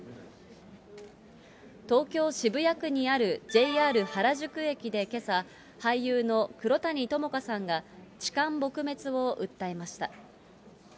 東京・渋谷区にあるＪＲ原宿駅でけさ、俳優の黒谷友香さんが、痴漢撲滅を訴えました。